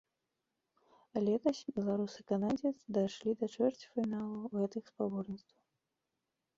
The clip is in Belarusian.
Летась беларус і канадзец дашлі да чвэрцьфіналу гэтых спаборніцтваў.